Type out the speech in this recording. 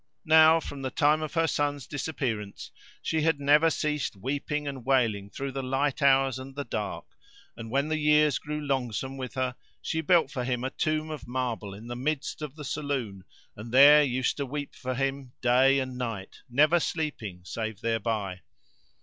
Now from the time of her son's disappearance she had never ceased weeping and wailing through the light hours and the dark; and, when the years grew longsome with her, she built for him a tomb of marble in the midst of the saloon and there used to weep for him day and night, never sleeping save thereby.